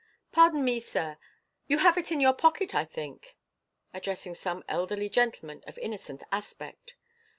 Par don me, sir, you have it in your pocket, I think," addressing some elderly gentleman of innocent aspect.